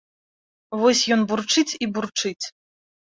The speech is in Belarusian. Вось ён бурчыць і бурчыць.